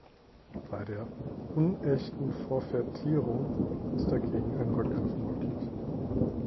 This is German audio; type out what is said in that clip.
Bei der "unechten Forfaitierung" ist dagegen ein Rückgriff möglich.